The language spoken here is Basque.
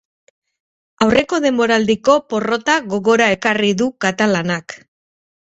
Aurreko denboraldiko porrota gogora ekarri du katalanak.